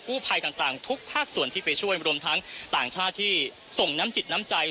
ภัยต่างทุกภาคส่วนที่ไปช่วยรวมทั้งต่างชาติที่ส่งน้ำจิตน้ำใจ